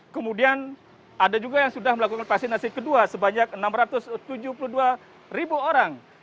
kemudian ada juga yang sudah melakukan vaksinasi kedua sebanyak enam ratus tujuh puluh dua ribu orang